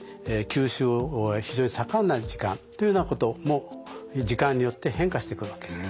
吸収は非常に盛んな時間というようなことも時間によって変化してくるわけです。